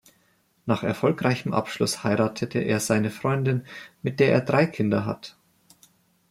Nach erfolgreichem Abschluss heiratete er seine Freundin, mit der er drei Kinder hat.